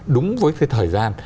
đúng với cái thời gian